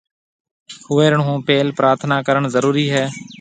هوئيرڻ هون پيل پرٿنا ڪرڻ ضرُورِي هيَ۔